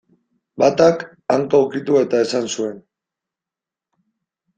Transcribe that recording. Batak, hanka ukitu eta esan zuen.